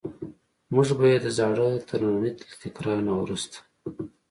موږ به یې د زاړه ترننی له تکرار نه وروسته.